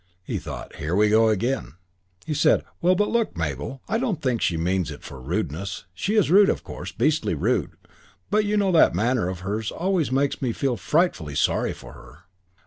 He thought, "Here we are again!" He said, "Well, but look, Mabel. I don't think she means it for rudeness. She is rude of course, beastly rude; but, you know, that manner of hers always makes me feel frightfully sorry for her."